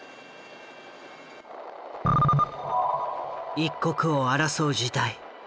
一刻を争う事態。